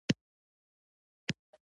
• له یوه بل سره مینه وکړئ.